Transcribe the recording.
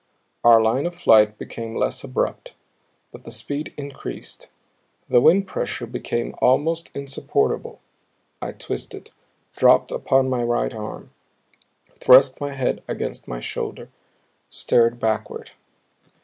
Our line of flight became less abrupt, but the speed increased, the wind pressure became almost insupportable. I twisted, dropped upon my right arm, thrust my head against my shoulder, stared backward.